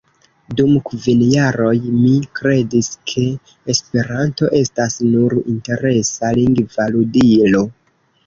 Dum kvin jaroj mi kredis, ke Esperanto estas nur interesa lingva ludilo.